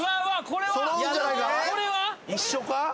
これは！？一緒か？